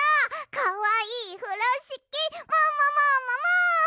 かわいいふろしきももももも。